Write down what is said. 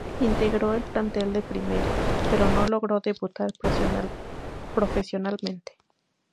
Integró el plantel de primera, pero no logró debutar profesionalmente.